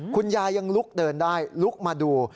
คุณยายยังลุกเดินได้ลุกมาดู